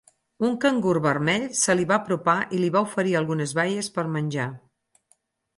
Un cangur vermell se li va apropar i li va oferir algunes baies per menjar.